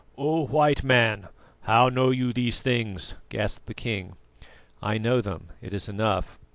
"O White Man, how know you these things?" gasped the king. "I know them, it is enough.